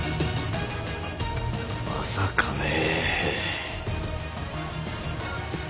まさかね。